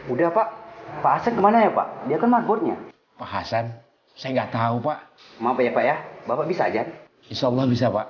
ini kan masih bagus pak handphonenya